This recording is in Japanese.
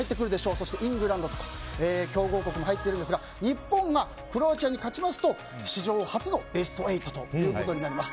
そしてイングランドと強豪国も入っているんですが日本がクロアチアに勝ちますと史上初のベスト８となります。